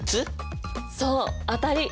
そう当たり！